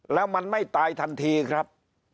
แล้วมันไม่ตายทันทีครับ